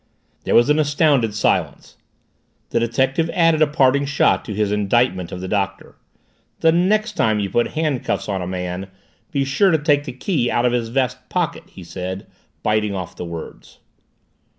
There was an astounded silence. The detective added a parting shot to his indictment of the Doctor. "The next time you put handcuffs on a man be sure to take the key out of his vest pocket," he said, biting off the words.